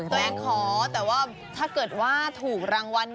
ตัวเองขอแต่ว่าถ้าเกิดถูกรางวัล